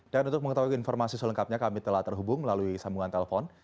dan untuk mengetahui informasi selengkapnya kami telah terhubung melalui sambungan telepon